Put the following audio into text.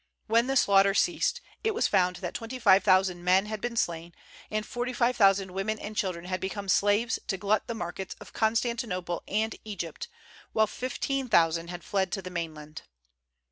When the slaughter ceased, it was found that twenty five thousand men had been slain, and forty five thousand women and children had become slaves to glut the markets of Constantinople and Egypt, while fifteen thousand had fled to the mainland.